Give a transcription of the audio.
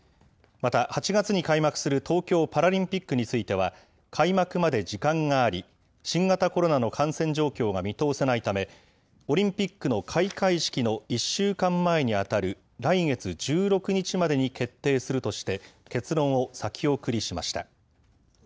また８月に開幕する東京パラリンピックについては、開幕まで時間があり、新型コロナの感染状況が見通せないため、オリンピックの開会式の１週間前に当たる来月１６日までに決定するとして、結論を先送りしました。